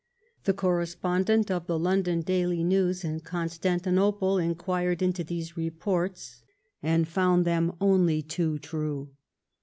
The correspondent of the London " Daily News " in Constantinople inquired into these reports and found them only too true.